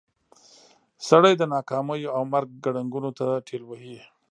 سړی د ناکاميو او مرګ ګړنګونو ته ټېل وهي.